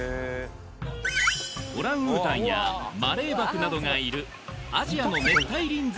オランウータンやマレーバクなどがいるうわ